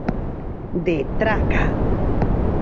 De traca!